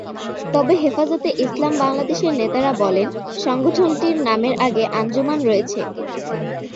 তবে হেফাজতে ইসলাম বাংলাদেশের নেতারা বলেন, সংগঠনটির নামের আগে আঞ্জুমান রয়েছে।